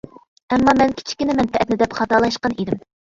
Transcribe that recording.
ئەمما مەن كىچىككىنە مەنپەئەتنى دەپ خاتالاشقان ئىدىم.